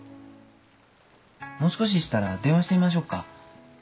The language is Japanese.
もう少ししたら電話してみましょうか？